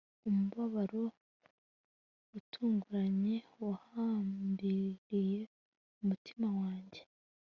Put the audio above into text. Umubabaro utunguranye wahambiriye umutima wanjye